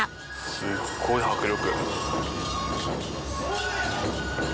すっごい迫力。